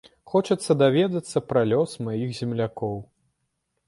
Хочацца даведацца пра лёс маіх землякоў.